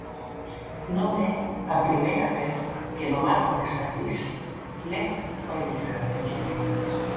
Non é a primeira vez que no marco desta crise Lence fai declaracións polémicas.